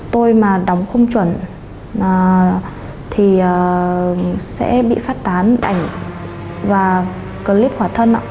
tôi mà đóng khung chuẩn thì sẽ bị phát tán ảnh và clip khỏa thân ạ